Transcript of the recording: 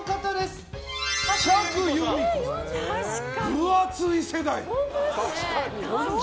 分厚い世代！